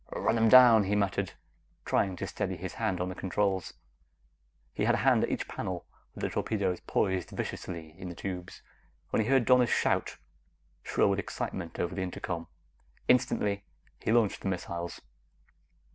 "Run 'em down!" he muttered, trying to steady his hand on the controls. He had a hand at each panel, with the torpedoes poised viciously in the tubes, when he heard Donna's shout, shrill with excitement, over the intercom. Instantly, he launched the missiles.